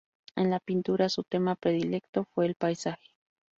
En la pintura su tema predilecto fue el paisaje.